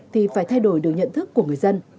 thì phải thay đổi được nhận thức của người dân